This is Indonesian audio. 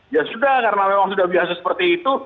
ya sudah karena memang sudah biasa seperti itu